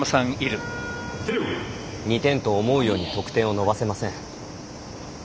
２点と、思うように得点を伸ばせません。